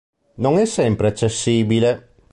Non è sempre accessibile.